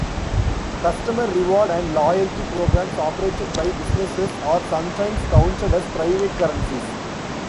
Customer reward and loyalty programs operated by businesses are sometimes counted as private currencies.